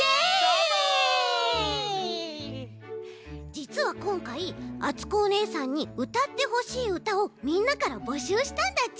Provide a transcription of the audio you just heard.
じつはこんかいあつこおねえさんにうたってほしいうたをみんなからぼしゅうしたんだち。